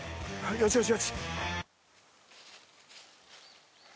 よしよしよしっ。